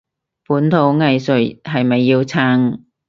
本土藝術係咪要撐？